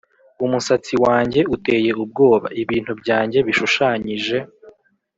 umusatsi wanjye uteye ubwoba, ibintu byanjye bishushanyije